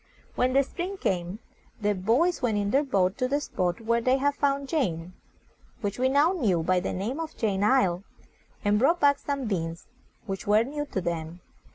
When the spring came, the boys went in our boat to the spot where they had found Jane, which we now knew by the name of "Jane's Isle," and brought back some beans, which were new to them.